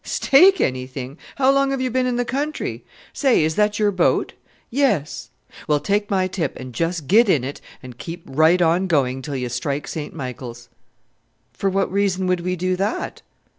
"Stake anything! how long have you been in the country? Say! is that your boat?" "Yes." "Well, take my tip and just get in it, and keep right on going till you strike St. Michael's." "For what reason would we do that?"